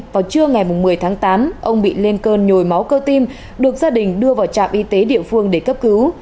vào trưa ngày một mươi tháng tám ông bị lên cơn nhồi máu cơ tim được gia đình đưa vào trạm y tế địa phương để cấp cứu